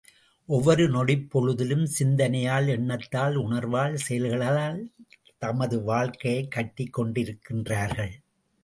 ஒவ்வொரு நொடிப் பொழுதிலும் சிந்தனையால், எண்ணத்தால், உணர்வால், செயல்களால் தமது வாழ்க்கையைக் கட்டிக் கொண்டிருக்கின்றார்கள்.